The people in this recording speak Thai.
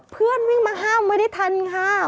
เพื่อนวิ่งมาห้ามไว้ได้ทันค่ะ